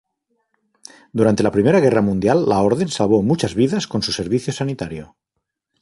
Durante la primera guerra mundial la orden salvó muchas vidas con su servicio sanitario.